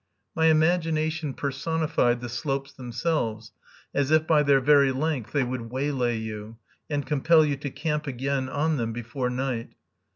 My imagination personified the slopes themselves, as if by their very length they would waylay you, and compel you to camp again on them before night.